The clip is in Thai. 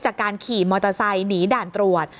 จากการขี่มอเตอร์ไซค์หนีด่านตรวจ